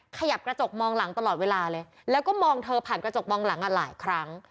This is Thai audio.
ขยับกระจกมองหลังตลอดเวลาเลยแล้วก็มองเธอผ่านกระจกมองหลังหลายครั้ง